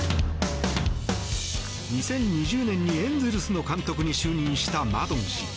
２０２０年にエンゼルスの監督に就任したマドン氏。